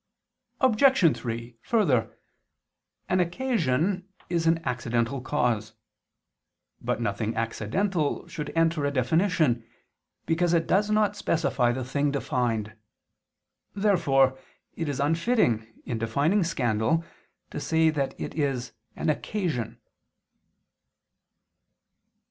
Obj. 3: Further, an occasion is an accidental cause. But nothing accidental should enter a definition, because it does not specify the thing defined. Therefore it is unfitting, in defining scandal, to say that it is an "occasion."